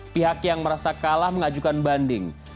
pihak yang merasa kalah mengajukan banding